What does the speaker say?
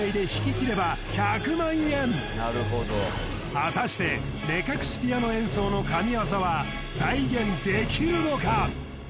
果たして目隠しピアノ演奏の神業は再現できるのか？